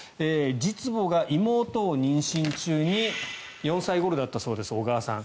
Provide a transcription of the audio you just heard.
実母が妹を妊娠中に４歳ごろだったそうです小川さん。